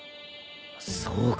そうか。